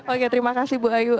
oke terima kasih bu ayu